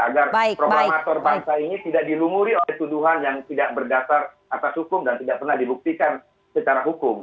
agar proklamator bangsa ini tidak dilumuri oleh tuduhan yang tidak berdasar atas hukum dan tidak pernah dibuktikan secara hukum